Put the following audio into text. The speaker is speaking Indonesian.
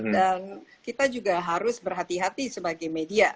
dan kita juga harus berhati hati sebagai media